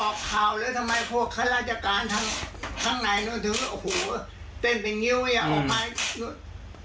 เคยเรียกผมให้ถามสักคำหรือเปล่าไม่มี